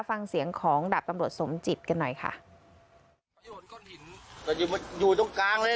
ฟังเสียงของดาบตำรวจสมจิตกันหน่อยค่ะอยู่ตรงกลางเลย